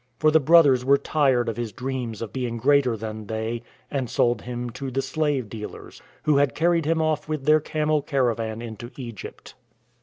For the brothers were tired of his dreams of being greater than they, and sold him to the slave dealers; who had carried him off with their camel caravan into Egypt.